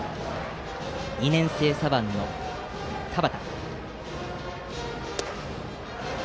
２年生左腕の田端。